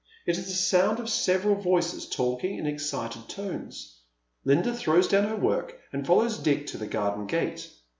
It is the sound of several voices talking in excited tones. Linda throws do^vn her work and follows Dick to the garden gate.